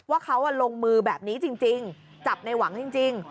ว่าเขาลงมือแบบนี้จริงจับในหวังจริง